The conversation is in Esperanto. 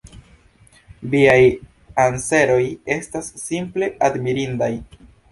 Viaj anseroj estas simple admirindaj.